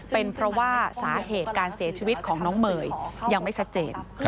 เป็นเพราะว่าสาเหตุการเสียชีวิตของน้องเมย์ยังไม่ชัดเจน